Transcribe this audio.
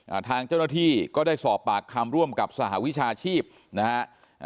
ทางเจ้าหน้าที่ก็ได้สอบปากคำร่วมกับสหวิชาชีพนะฮะอ่า